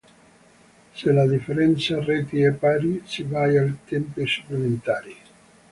Se la differenza reti è pari, si vai ai tempi supplementari.